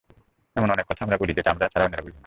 এমন অনেক কথা আমরা বলি, যেটা আমরা ছাড়া অন্যরা বোঝে না।